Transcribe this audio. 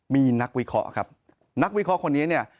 มีนักวิเคราะห์ครับนักวิเคราะห์คนนี้เนี่ย